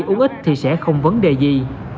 uống ít thì sẽ không vấn đề gì